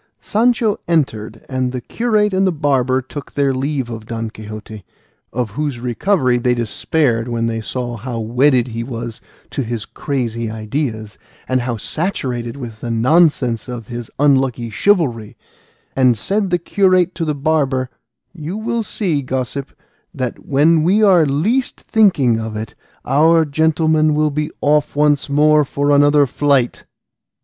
Sancho entered, and the curate and the barber took their leave of Don Quixote, of whose recovery they despaired when they saw how wedded he was to his crazy ideas, and how saturated with the nonsense of his unlucky chivalry; and said the curate to the barber, "You will see, gossip, that when we are least thinking of it, our gentleman will be off once more for another flight."